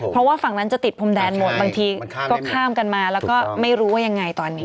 เพราะว่าฝั่งนั้นจะติดพรมแดนหมดบางทีก็ข้ามกันมาแล้วก็ไม่รู้ว่ายังไงตอนนี้